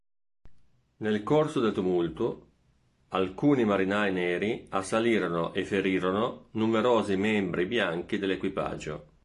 Nel corso del tumulto, alcuni marinai neri assalirono e ferirono numerosi membri bianchi dell'equipaggio.